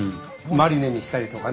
マリネにしたりとかね